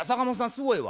すごいわ。